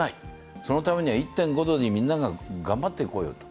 そのためには１．５度にみんなが頑張っていこうよと。